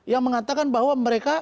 yang mengatakan bahwa mereka